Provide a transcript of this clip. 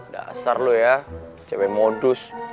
dasar loh ya cewek modus